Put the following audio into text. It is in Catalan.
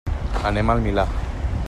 Anem al Milà.